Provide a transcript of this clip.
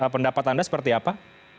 pendapat anda seperti apa